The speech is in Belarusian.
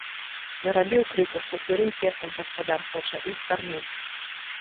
Нарабіў крыку, што сырым цестам гаспадар хоча іх карміць.